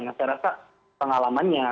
yang saya rasa pengalamannya